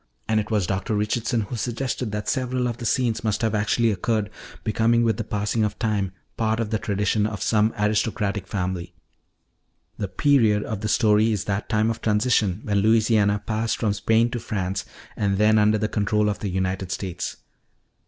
And it was Dr. Richardson who suggested that several of the scenes must have actually occurred, becoming with the passing of time part of the tradition of some aristocratic family. "The period of the story is that time of transition when Louisiana passed from Spain to France and then under the control of the United States.